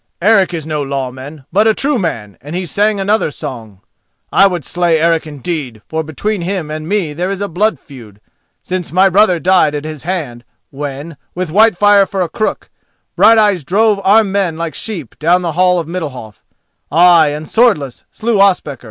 "Eric is no lawman, but a true man, and he sang another song. I would slay Eric indeed, for between him and me there is a blood feud, since my brother died at his hand when, with Whitefire for a crook, Brighteyes drove armed men like sheep down the hall of Middalhof—ay and swordless, slew Ospakar.